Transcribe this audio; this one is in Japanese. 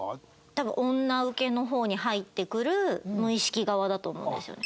多分女ウケの方に入ってくる無意識側だと思うんですよね。